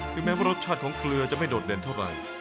แม้ว่ารสชาติของเกลือจะไม่โดดเด่นเท่าไหร่